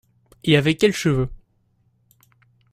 Et avec quels cheveux !